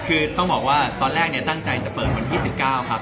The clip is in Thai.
คือต้องบอกว่าตอนแรกตั้งใจจะเปิดวันที่๑๙ครับ